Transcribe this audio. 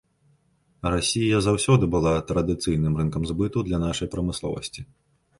Расія заўсёды была традыцыйным рынкам збыту для нашай прамысловасці.